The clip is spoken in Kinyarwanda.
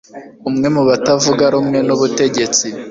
umwe mu batavuga rumwe n'ubutegetsi,